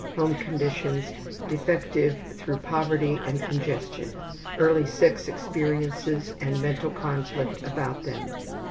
Home conditions: Defective through poverty and congestion. Early sex experiences and mental conflict about them.